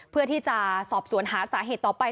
เพื่อที่จะสอบสวนหาสาเหตุต่อไป